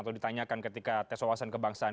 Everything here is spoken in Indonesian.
atau ditanyakan ketika tes wawasan kebangsaan